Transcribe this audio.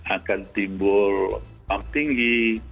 akan timbul ap tinggi